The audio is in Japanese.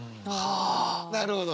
なるほど。